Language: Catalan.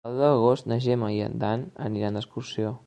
El deu d'agost na Gemma i en Dan aniran d'excursió.